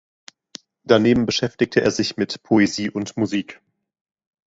Daneben beschäftigte er sich mit Poesie und Musik.